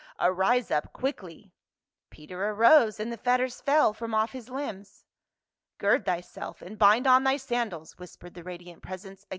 Arise up quickly !" Peter arose, and the fetters fell from off his limbs. " Gird thyself, and bind on thy sandals," whispered the radiant presence.